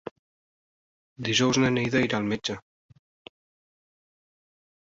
Dijous na Neida irà al metge.